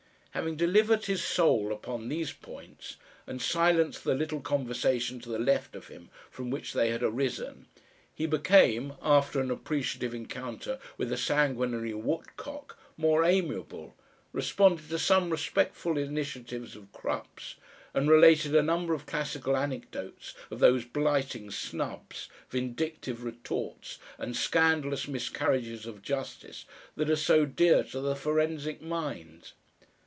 Having delivered his soul upon these points, and silenced the little conversation to the left of him from which they had arisen, he became, after an appreciative encounter with a sanguinary woodcock, more amiable, responded to some respectful initiatives of Crupp's, and related a number of classical anecdotes of those blighting snubs, vindictive retorts and scandalous miscarriages of justice that are so dear to the forensic mind.